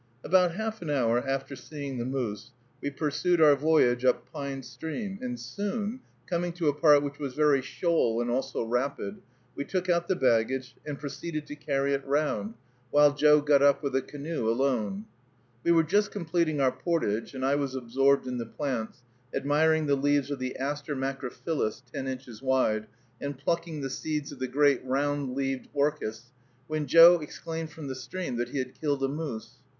About half an hour after seeing the moose, we pursued our voyage up Pine Stream, and soon, coming to a part which was very shoal and also rapid, we took out the baggage, and proceeded to carry it round, while Joe got up with the canoe alone. We were just completing our portage and I was absorbed in the plants, admiring the leaves of the Aster macrophyllus, ten inches wide, and plucking the seeds of the great round leaved orchis, when Joe exclaimed from the stream that he had killed a moose.